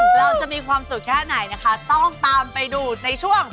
เราจะมีความสุขแค่ไหนนะคะต้องตามไปดูในช่วง